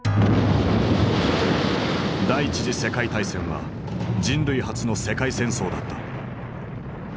第一次世界大戦は人類初の世界戦争だった。